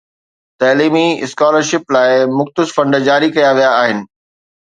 تعليمي scholarship لاءِ مختص فنڊ جاري ڪيا ويا آهن